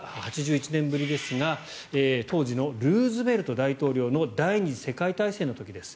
８１年ぶりですが当時のルーズベルト大統領の第２次世界大戦の時です。